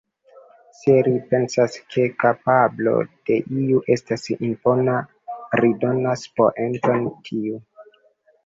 Se ri pensas ke kapablo de iu estas impona, ri donas poenton tiu.